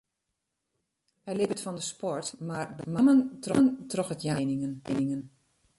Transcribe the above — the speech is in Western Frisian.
Hy libbet fan de sport, mar benammen troch it jaan fan trainingen.